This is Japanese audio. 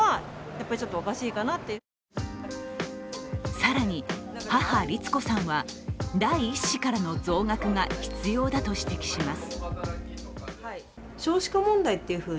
更に、母・律子さんは第１子からの増額が必要だと指摘します。